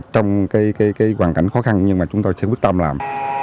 trong hoàn cảnh khó khăn nhưng chúng tôi sẽ quyết tâm làm